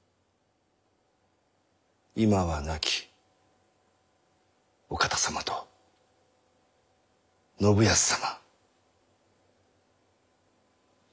今は亡きお方様と信康様。